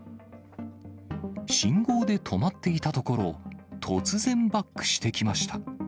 信号で止まっていたところ、突然バックしてきました。